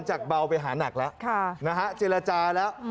จากเบาไปหานักแล้วนะฮะเจรจาแล้ว